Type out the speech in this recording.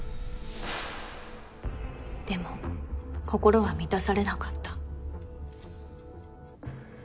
でも心は満たされなかった。